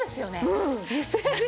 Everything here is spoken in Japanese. うん。